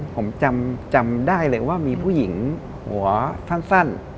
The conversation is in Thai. ผมจำได้เลยว่ามีผู้หญิงหัวสั้น